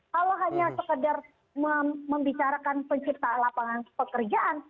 kalau hanya sekadar membicarakan pencipta lapangan pekerjaan